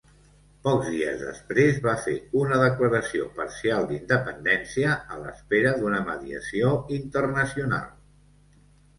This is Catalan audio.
Pocs dies després va fer una declaració parcial d'independència, a l'espera d'una mediació internacional.